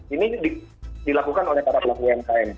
ini dilakukan oleh para pelaku umkm